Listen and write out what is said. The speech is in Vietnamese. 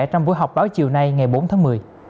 trong buổi họp báo chiều nay ngày bốn tháng một mươi